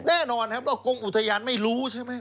แน่นอนครับว่ากรมอุทยานไม่รู้ใช่ไหม